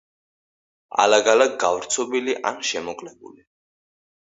ალაგ-ალაგ გავრცობილი ან შემოკლებული.